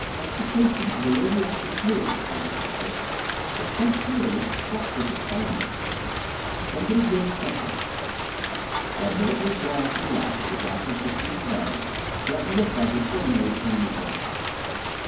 "Excitation of a radioactive fluid," replied the Doctor. "The question is, what is exciting it. Somebody get a stepladder." While Bolton was gone after the ladder, the Doctor took from his bag what looked like an ordinary pane of glass.